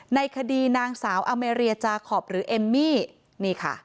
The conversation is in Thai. ในคดีนางสาวอเมรียจาคอปหรือเอมมี่นี่ค่ะ